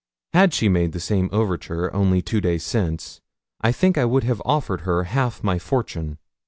Had she made the same overture only two days since, I think I would have offered her half my fortune.